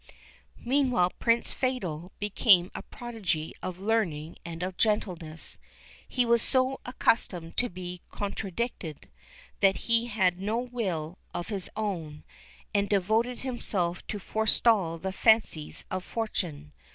Meanwhile Prince Fatal became a prodigy of learning and of gentleness; he was so accustomed to be contradicted, that he had no will of his own, and devoted himself to forestall the fancies of Fortuné.